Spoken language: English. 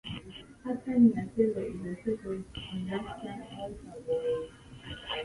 Her son, Marcello, is a sort of reluctant altar boy.